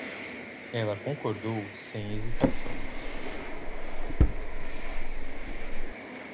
Ela concordou sem hesitação